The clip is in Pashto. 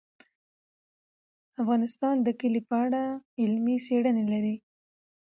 افغانستان د کلي په اړه علمي څېړنې لري.